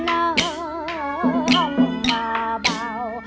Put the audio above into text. không mà bao